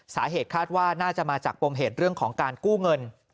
สาเหตุคาดว่าน่าจะมาจากปมเหตุเรื่องของการกู้เงิน